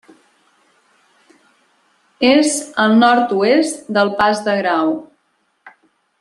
És al nord-oest del Pas de Grau.